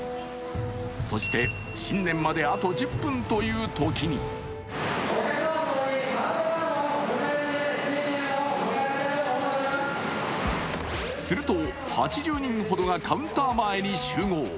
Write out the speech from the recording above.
そして、新年まであと１０分というときにすると８０人ほどがカウンター前に集合。